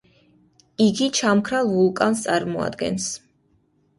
იგი ჩამქრალ ვულკანს წარმოადგენს.